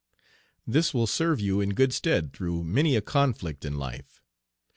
This will serve you in good stead through many a conflict in life.